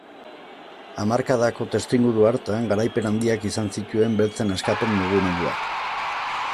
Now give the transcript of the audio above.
Hamarkadako testuinguru hartan garaipen handiak izan zituen beltzen askapen mugimenduak.